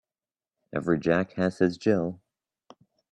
Every Jack has his Jill